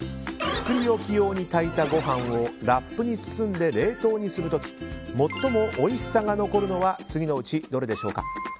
作り置き用に炊いたご飯をラップに包んで冷凍にする時最もおいしさが残るのは次のうちどれでしょうか。